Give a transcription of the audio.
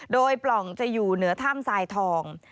โดยปล่องจะอยู่เหนือถ้ำทรายทอง